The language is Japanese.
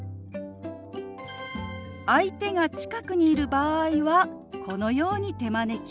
相手が近くにいる場合はこのように手招き。